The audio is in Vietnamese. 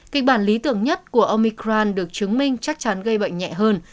kịch bản lý tưởng nhất của omicron được chứng minh chắc chắn gây bệnh nhẹ hơn